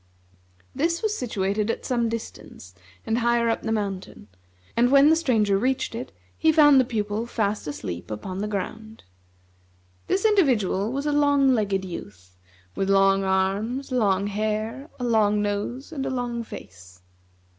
This was situated at some distance, and higher up the mountain, and when the Stranger reached it, he found the Pupil fast asleep upon the ground. This individual was a long legged youth, with long arms, long hair, a long nose, and a long face.